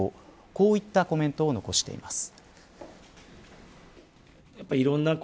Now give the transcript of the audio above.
こういったコメントを残しています。